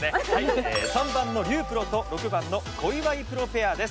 ３番の笠プロと６番の小祝プロペアです。